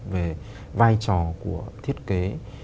về vai trò của thiết kế